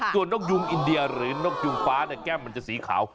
ส่วนนกยุงอินเดียหรือนกยุงฟ้าเนี่ยแก้มมันจะสีขาว